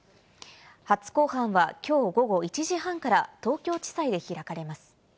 初公判はきょう午後１時半から東京地裁で開かれます。